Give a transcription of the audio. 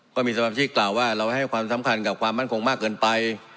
ก็มีสมาชิกกล่าวว่าเราให้ความสำคัญกับความมั่นคงมากเกินไป